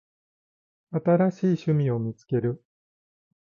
新しい趣味を見つける